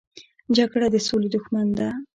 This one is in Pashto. جګړه د سولې دښمن دی